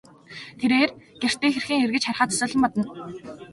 Тэрээр гэртээ хэрхэн эргэж харихаа төсөөлөн бодно.